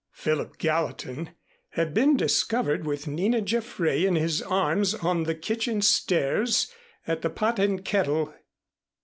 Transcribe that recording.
Philip Gallatin had been discovered with Nina Jaffray in his arms on the kitchen stairs at the "Pot and Kettle."